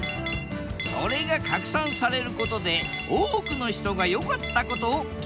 それが拡散されることで多くの人が良かったことを共有。